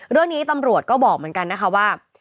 เรื่องนี้ตำรวจก็บอกเหมือนกันนะคะว่า